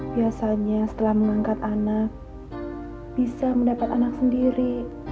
biasanya setelah mengangkat anak bisa mendapat anak sendiri